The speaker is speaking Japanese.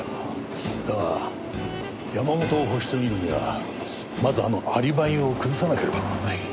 だが山本をホシと見るにはまずあのアリバイを崩さなければならない。